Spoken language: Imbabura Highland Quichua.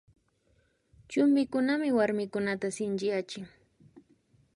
Chumpikunami warmikunata shinchiyachin